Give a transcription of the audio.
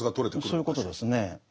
そういうことですね。